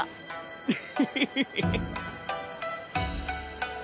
フフフフ。